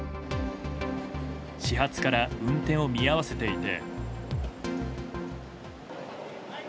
始発から運転を見合わせていて。